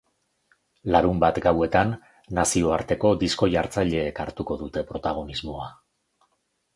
Larunbat gauetan, nazioarteko disko-jartzaileek hartuko dute protagonismoa.